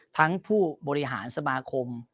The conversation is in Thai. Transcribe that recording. ทั้งผู้บริหารสมาคม